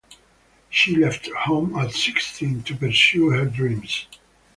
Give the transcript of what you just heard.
She left home at sixteen to pursue her dreams.